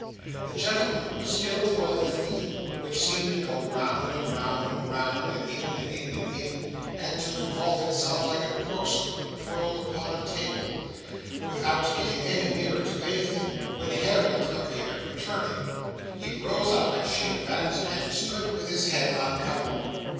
The gentleman was still twirling a theme, which seemed to go round and round and round, and in and in and in, and to involve itself like a corkscrew twirled upon a table, without getting any nearer to anything, when Harriet appeared returning. He rose up as she advanced, and stood with his head uncovered.